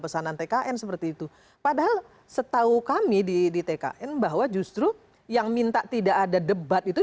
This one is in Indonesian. pesanan tkn seperti itu padahal setahu kami di tkn bahwa justru yang minta tidak ada debat itu